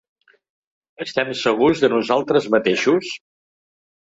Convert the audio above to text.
Estem segurs de nosaltres mateixos?